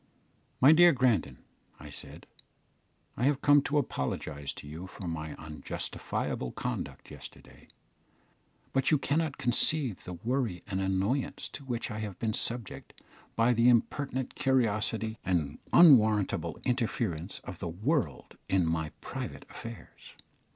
"My dear Grandon," I said, "I have come to apologise to you for my unjustifiable conduct yesterday, but you cannot conceive the worry and annoyance to which I have been subject by the impertinent curiosity and unwarrantable interference of the world in my private affairs.